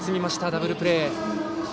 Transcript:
ダブルプレー。